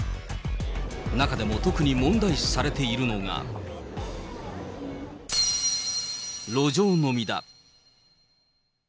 中でも特に問題視されているのが、路上飲みだ。